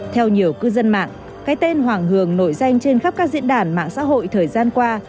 theo nhiều cư dân mạng cái tên hoàng hường nổi danh trên khắp các diễn đàn mạng xã hội thời gian qua